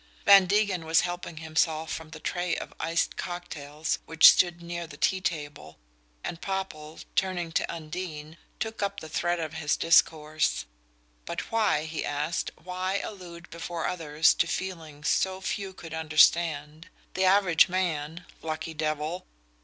Van Degen was helping himself from the tray of iced cocktails which stood near the tea table, and Popple, turning to Undine, took up the thread of his discourse. But why, he asked, why allude before others to feelings so few could understand? The average man lucky devil!